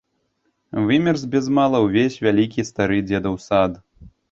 Вымерз без мала ўвесь вялікі стары дзедаў сад.